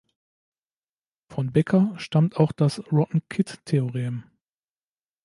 Von Becker stammt auch das Rotten-Kid-Theorem.